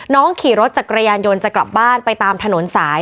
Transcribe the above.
ขี่รถจักรยานยนต์จะกลับบ้านไปตามถนนสาย